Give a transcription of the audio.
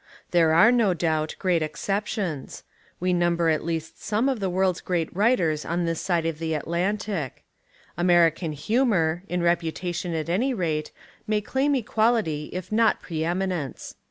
There are no doubt great exceptions. We number at least some of the world's great writers on this side of the At lantic. American humour, in reputation at any rate, may claim equality if not pre eminence.